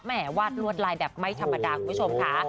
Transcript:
วาดลวดลายแบบไม่ธรรมดาคุณผู้ชมค่ะ